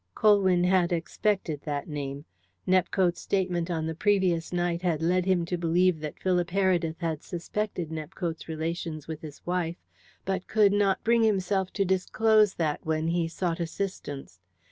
Colwyn had expected that name. Nepcote's statement on the previous night had led him to believe that Philip Heredith had suspected Nepcote's relations with his wife, but could not bring himself to disclose that when he sought assistance.